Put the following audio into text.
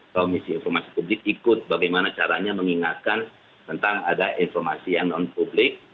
komisi informasi publik ikut bagaimana caranya mengingatkan tentang ada informasi yang non publik